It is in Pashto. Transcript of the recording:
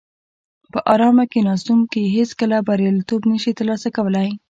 په ارامه کیناستونکي هیڅکله بریالیتوب نشي ترلاسه کولای.